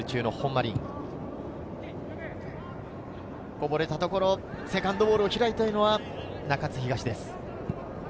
こぼれたところセカンドボールを拾いたいのは中津東です。